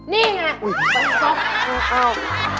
นี่ไง